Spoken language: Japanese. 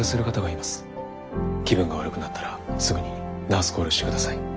気分が悪くなったらすぐにナースコールしてください。